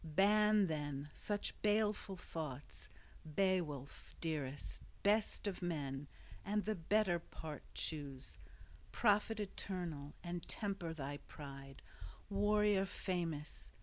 Ban, then, such baleful thoughts, Beowulf dearest, best of men, and the better part choose, profit eternal; and temper thy pride, warrior famous!